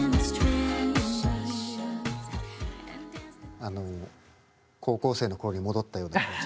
あの高校生の頃に戻ったような気持ち。